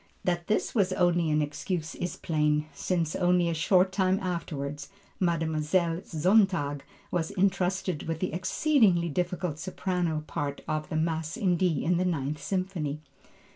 That this was only an excuse, is plain, since only a short time afterward Mlle. Sontag was intrusted with the exceedingly difficult soprano parts of the Mass in D and the Ninth Symphony.